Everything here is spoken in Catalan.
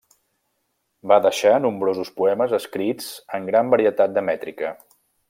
Va deixar nombrosos poemes escrits en gran varietat de mètrica.